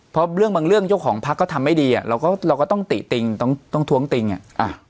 เพราะเรื่องบางเรื่องเจ้าของพักก็ทำไม่ดีอ่ะเราก็เราก็ต้องติติงต้องต้องท้วงติงอ่ะ